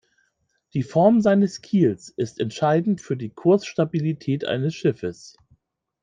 Die Form seines Kiels ist entscheidend für die Kursstabilität eines Schiffes.